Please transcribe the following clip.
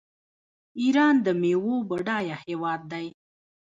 ایران د میوو بډایه هیواد دی.